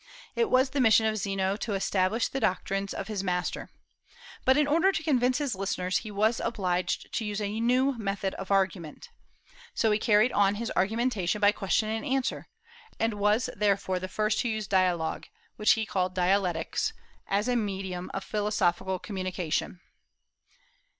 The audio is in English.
It was the mission of Zeno to establish the doctrines of his master. But in order to convince his listeners, he was obliged to use a new method of argument. So he carried on his argumentation by question and answer, and was therefore the first who used dialogue, which he called dialectics, as a medium of philosophical communication.